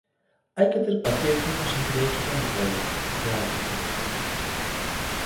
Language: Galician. "Hai que ter paciencia e conseguireicho cando poida", aclara o xefe do clan.